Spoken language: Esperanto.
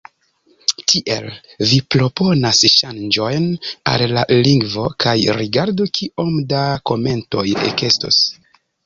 Tiel, vi proponas ŝanĝojn al la lingvo, kaj rigardu kiom da komentoj ekestos.